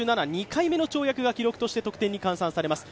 ２回目の跳躍が記録として得点に換算されます。